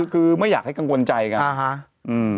คือไม่อยากให้กังวลใจกัน